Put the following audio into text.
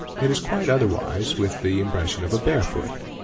It is quite otherwise with the © impression of a bare foot.